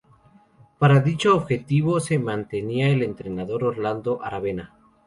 Para dicho objetivo, se mantenía el entrenador Orlando Aravena.